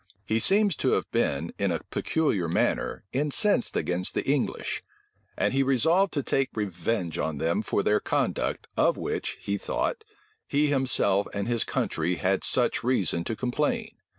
He seems to have been, in a peculiar manner, incensed against the English; and he resolved to take revenge on them for their conduct, of which, he thought, he himself and his country had such reason to complain.